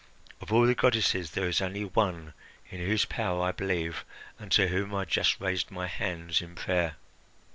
Of all the goddesses, there is only one in whose power I believe, and to whom I just raised my hands in prayer.